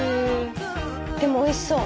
でもおいしそう。